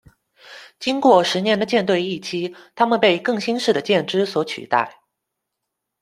经过十年的舰队役期，它们被更新式的舰只所取代。